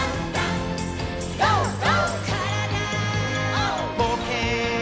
「からだぼうけん」